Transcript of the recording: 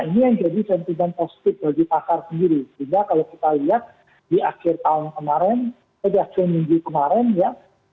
nah ini yang jadi contohnya